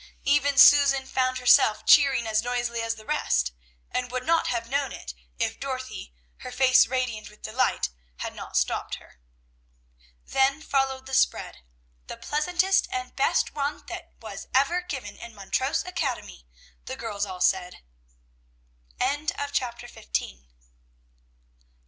Even Susan found herself cheering as noisily as the rest, and would not have known it, if Dorothy, her face radiant with delight, had not stopped her. Then followed the spread, "the pleasantest and the best one that was ever given in Montrose Academy," the girls all said. CHAPTER XVI.